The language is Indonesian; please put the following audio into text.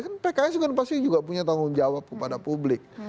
kan pks kan pasti juga punya tanggung jawab kepada publik